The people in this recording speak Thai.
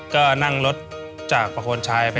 ก็นั่งรถจากประควรชายไปต่อ